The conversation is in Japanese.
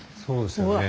そうですよね。